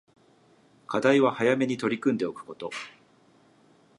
課題は早めに取り組んでおくこと